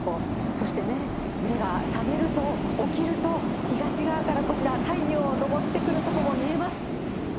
そしてね、目が覚めると、起きると、東側からこちら、太陽が昇ってくるところも見えます。